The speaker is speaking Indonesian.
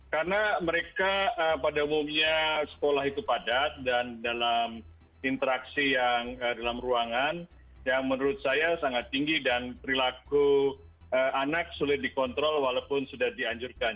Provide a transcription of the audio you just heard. karena mereka pada umumnya sekolah itu padat dan dalam interaksi yang dalam ruangan yang menurut saya sangat tinggi dan perilaku anak sulit dikontrol walaupun sudah dianjurkan